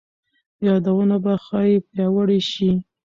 یادونه به ښايي پیاوړي شي.